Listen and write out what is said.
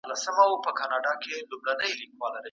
نن زه او دی د قاف په يوه کوڅه کې سره ناست وو